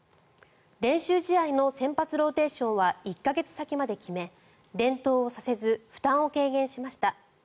練習試合の先発ローテーションは１か月先まで決め連投をさせず負担を軽減しました。